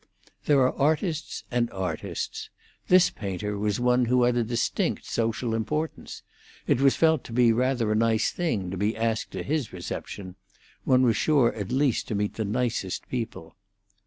There are artists and artists. This painter was one who had a distinct social importance. It was felt to be rather a nice thing to be asked to his reception; one was sure at least to meet the nicest people.